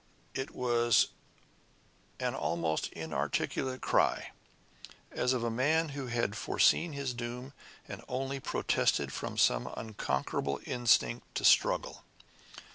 It was an almost inarticulate cry, as of a man who had foreseen his doom, and only protested from some unconquerable instinct to struggle!